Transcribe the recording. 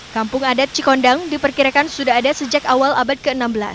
kampung adat cikondang diperkirakan sudah ada sejak awal abad ke enam belas